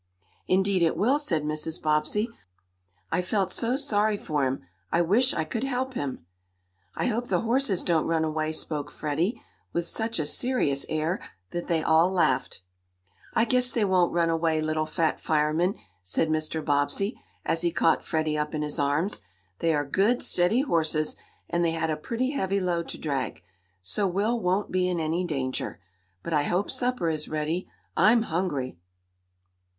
"Indeed it will," said Mrs. Bobbsey. "I felt so sorry for him. I wish I could help him!" "I hope the horses don't run away," spoke Freddie with such a serious air that they all laughed. "I guess they won't run away, little fat fireman!" said Mr. Bobbsey, as he caught Freddie up in his arms. "They are good, steady horses, and they had a pretty heavy load to drag. So Will won't be in any danger. But I hope supper is ready. I'm hungry!"